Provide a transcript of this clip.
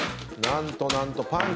何と何とパンチ。